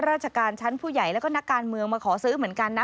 ราชการชั้นผู้ใหญ่แล้วก็นักการเมืองมาขอซื้อเหมือนกันนะ